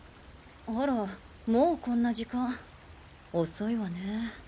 あらもうこんな時間遅いわね。